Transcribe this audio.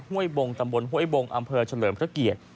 ้วยบงตำบลห้วยบงอำเภอเฉลิมพระเกียรติ